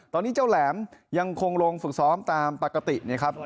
ตอนนี้เจ้าแหลมยังคงลงฝึกซ้อมตามปกตินะครับ